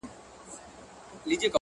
سترگي چي پټي كړي باڼه يې سره ورسي داسـي”